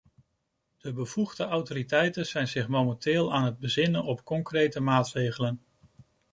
De bevoegde autoriteiten zijn zich momenteel aan het bezinnen op concrete maatregelen.